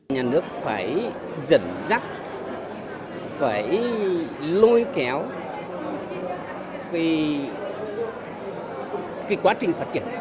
nhà nước phải dẫn dắt phải lôi kéo vì quá trình phát triển